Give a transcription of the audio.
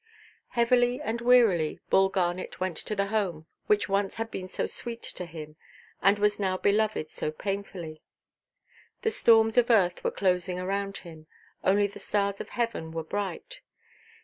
Heavily and wearily Bull Garnet went to the home which once had been so sweet to him, and was now beloved so painfully. The storms of earth were closing round him, only the stars of heaven were bright.